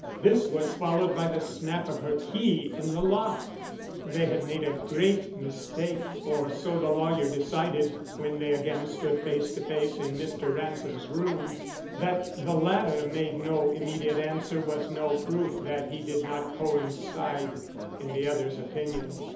This was followed by the snap of her key in the lock. They had made a great mistake, or so the lawyer decided when they again stood face to face in Mr. Ransom's room. That the latter made no immediate answer was no proof that he did not coincide in the other's opinion.